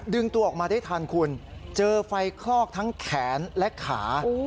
ดึงตัวออกมาได้ทันคุณเจอไฟคลอกทั้งแขนและขา